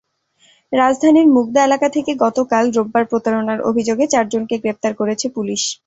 রাজধানীর মুগদা এলাকা থেকে গতকাল রোববার প্রতারণার অভিযোগে চারজনকে গ্রেপ্তার করেছে পুলিশ।